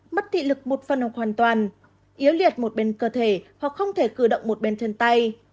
mất thị lực một phần học hoàn toàn yếu liệt một bên cơ thể hoặc không thể cử động một bên thân tay